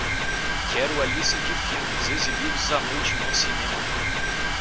Quero a lista de filmes exibidos à noite no cinema